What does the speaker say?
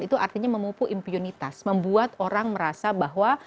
itu artinya memupu impunitas membuat orang merasa bahwa